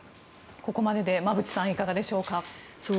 ここまでで馬渕さんいかがでしょうか。